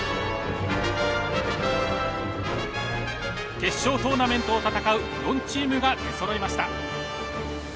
決勝トーナメントを戦う４チームが出そろいました。